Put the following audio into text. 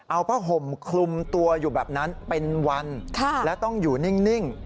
เอาผ้าห่มคลุมตัวอยู่แบบนั้นเป็นวันและต้องอยู่นิ่ง